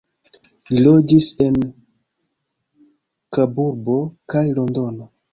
Li loĝis en Kaburbo kaj Londono.